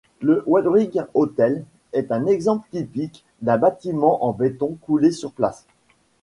Le Wainwright Hotel est un exemple typique d'un bâtiment en béton coulé sur place.